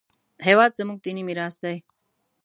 هېواد زموږ دیني میراث لري